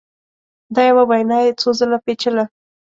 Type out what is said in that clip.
دا یوه وینا یې څو ځله پېچله